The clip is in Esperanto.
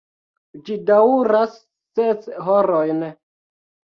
Ĝi daŭras ses horojn.